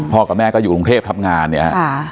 พ่อกับแม่ก็อยู่รุงเทพฯทำงานเนี่ย